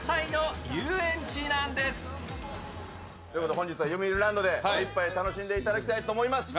本日はよみうりランドで名いっぱい楽しんでいただきたいと思います。